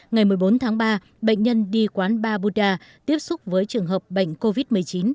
ngày một mươi bốn tháng ba bệnh nhân đi quán ba buddha tiếp xúc với trường hợp bệnh covid một mươi chín